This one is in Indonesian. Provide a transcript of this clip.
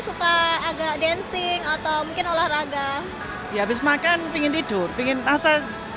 suka agak dancing atau mungkin olahraga ya habis makan pingin tidur pingin akses